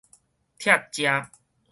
拆食